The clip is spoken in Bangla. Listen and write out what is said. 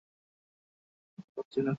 আমিও কাউকে ঠকাচ্ছি না।